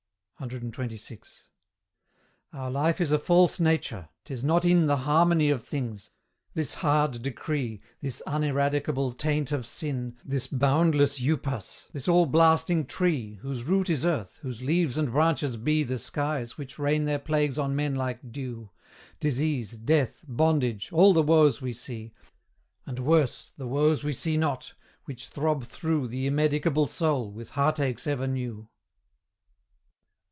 CXXVI. Our life is a false nature 'tis not in The harmony of things, this hard decree, This uneradicable taint of sin, This boundless upas, this all blasting tree, Whose root is earth, whose leaves and branches be The skies which rain their plagues on men like dew Disease, death, bondage, all the woes we see And worse, the woes we see not which throb through The immedicable soul, with heart aches ever new.